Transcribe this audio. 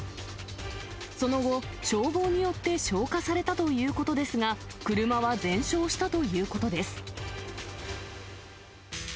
その後、消防によって消火されたということですが、車は全焼したということです。